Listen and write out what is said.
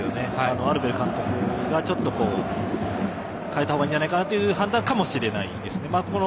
アルベル監督が変えたほうがいいんじゃないかなという判断かもしれないですね。